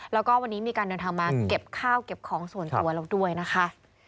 แล้วก็วันนี้มีการเดินทางมาเก็บข้าวเก็บของส่วนตัวแล้วด้วยนะคะ